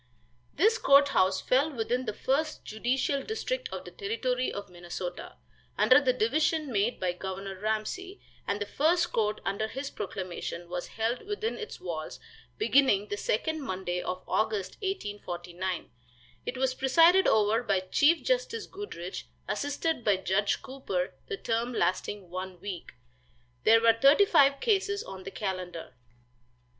This court house fell within the first judicial district of the Territory of Minnesota, under the division made by Governor Ramsey, and the first court under his proclamation was held within its walls, beginning the second Monday of August, 1849. It was presided over by Chief Justice Goodrich, assisted by Judge Cooper, the term lasting one week. There were thirty five cases on the calendar.